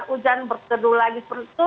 ujan berteduh lagi